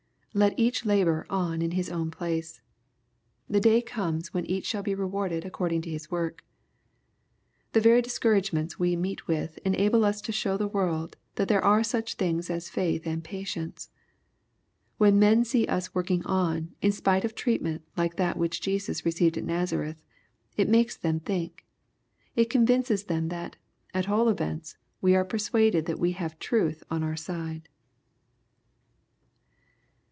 Let each labor on in his own place. The day comes when each shall be rewarded according to his work. The very discouragements we meet with enable us to show the world that there are such things as faith and patience. When men see us working on, in spite of treatment like that which Jesus received at Nazareth, it makes them think. It coDvinces them that, at all events, we are persuaded that we have truth on our side.